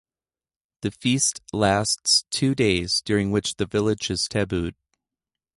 The feast lasts two days, during which the village is tabooed.